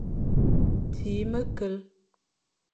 Tsir mekel.